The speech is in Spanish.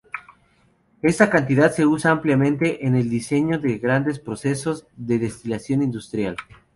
Esta cantidad se usa ampliamente en el diseño de grandes procesos de destilación industrial.